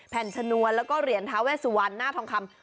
ชนวนแล้วก็เหรียญท้าเวสุวรรณหน้าทองคำ